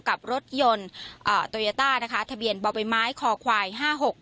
กับรถยนต์เอ่อโตยาต้านะคะทะเบียนบ่อใบไม้คอควายห้าหก